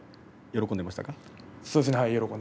喜んでいました。